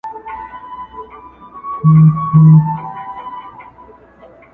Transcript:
• خو زړې نښې لا شته تل..